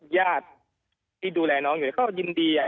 ยาดที่ดูแลน้องอยู่เขายินดี